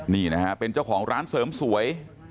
นี่นะฮะเป็นเจ้าของร้านเสริมสวย